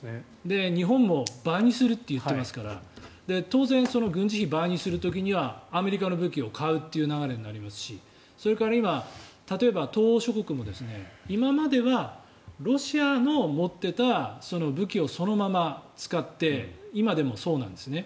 日本も倍にすると言っていますから当然、軍事費を倍にする時はアメリカの武器を買うという流れになりますしそれから今、例えば東欧諸国も今まではロシアの持っていた武器をそのまま使って今でもそうなんですね。